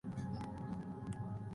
En el "Catálogo Las Edades del Hombre.